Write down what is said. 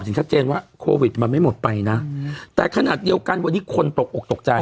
ชัดเจนว่าโควิดมันไม่หมดไปนะแต่ขนาดเดียวกันวันนี้คนตกออกตกใจ